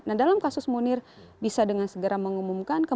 nah dalam kasus munir bisa dengan segera mengumumkan